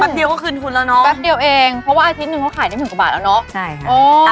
เดียวก็คืนทุนแล้วเนาะแป๊บเดียวเองเพราะว่าอาทิตย์หนึ่งเขาขายได้หมื่นกว่าบาทแล้วเนาะใช่ค่ะ